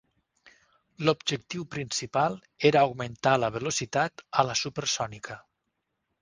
L'objectiu principal era augmentar la velocitat a la supersònica.